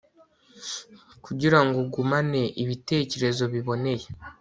kugira ngo ugumane ibitekerezo biboneye